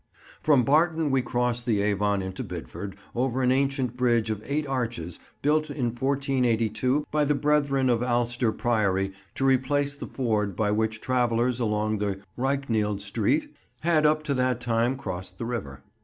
From Barton we cross the Avon into Bidford over an ancient bridge of eight arches built in 1482 by the brethren of Alcester priory to replace the ford by which travellers along the Ryknield Street had up to that time crossed the river.